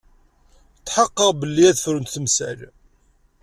Tḥeqqeɣ belli ad frunt temsal.